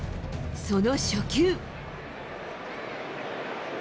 その初球。